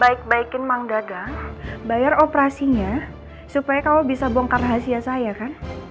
baik baikin manggagang bayar operasinya supaya kamu bisa bongkar rahasia saya kan